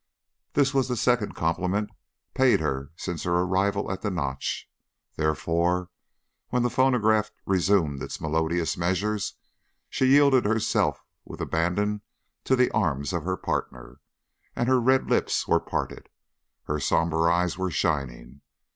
This was the second compliment paid her since her arrival at the Notch, therefore when the phonograph resumed its melodious measures she yielded herself with abandon to the arms of her partner, and her red lips were parted, her somber eyes were shining.